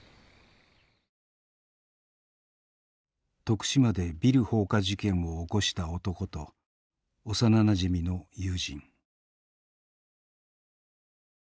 徳島でビル放火事件を起こした男と幼なじみの友人。